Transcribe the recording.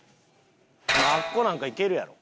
あっこなんかいけるやろ。